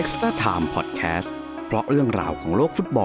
สวัสดีครับ